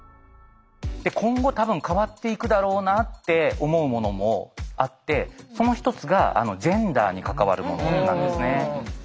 今後多分変わっていくだろうなって思うものもあってその一つがジェンダーに関わるものなんですね。